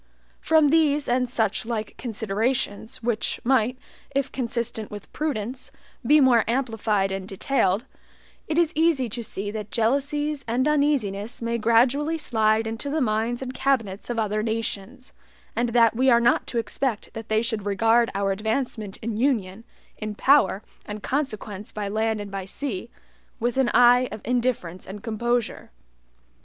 From these and such like considerations, which might, if consistent with prudence, be more amplified and detailed, it is easy to see that jealousies and uneasinesses may gradually slide into the minds and cabinets of other nations, and that we are not to expect that they should regard our advancement in union, in power and consequence by land and by sea, with an eye of indifference and composure.